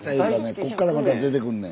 こっからまた出てくんねん。